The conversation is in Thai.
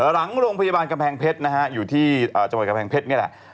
หลังโรงพยาบาลกำแพงเพชรนะฮะอยู่ที่จังหวัดกำแพงเพชรนี่แหละ